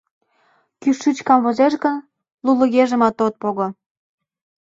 Кӱшыч камвозеш гын, лулегыжымат от пого».